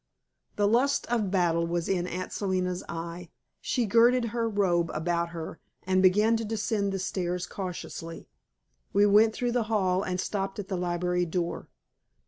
The lust of battle was in Aunt Selina's eye. She girded her robe about her and began to descend the stairs cautiously. We went through the hall and stopped at the library door.